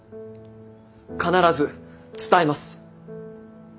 必ず伝えます。